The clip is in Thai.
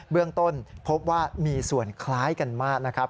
เรื่องต้นพบว่ามีส่วนคล้ายกันมากนะครับ